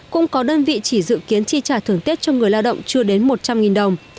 cũng có đơn vị chỉ dự kiến chi trả thưởng tết cho người lao động chưa đến một trăm linh đồng